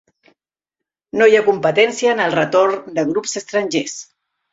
No hi ha competència en el retorn de grups estrangers.